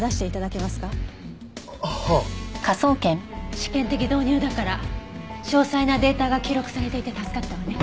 試験的導入だから詳細なデータが記録されていて助かったわね。